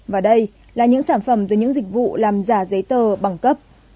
và đây là những sản phẩm từ những dịch vụ làm giả giấy tờ bằng cấp